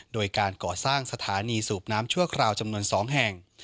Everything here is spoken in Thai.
โดยการก่อสร้างสถานีสูบน้ำชั่วคราวจำนวน๒แห่ง